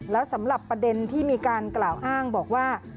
แล้วสำหรับประเด็นที่มีการกล่าวอ้างบอกว่า